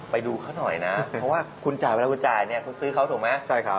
ไปดูเขาหน่อยนะเพราะว่าคุณจ่ายเวลาคุณจ่ายเนี่ยคุณซื้อเขาถูกไหม